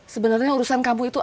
sebenernya urusan kamu itu apa